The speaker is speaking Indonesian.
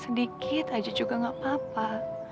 sedikit aja juga gak apa apa